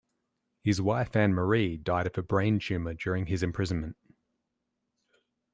His wife Anne Marie died of a brain tumour during his imprisonment.